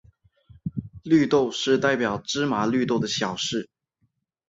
绿豆是代表芝麻绿豆的小事。